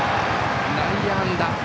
内野安打。